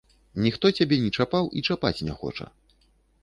Ніхто цябе не чапаў і чапаць не хоча.